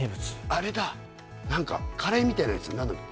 あれだ何かカレーみたいなやつ何だっけ？